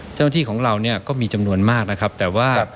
เจ้าหน้าที่ของเราเนี่ยก็มีจำนวนมากนะครับแต่ว่า